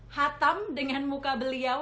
hatam dengan muka beliau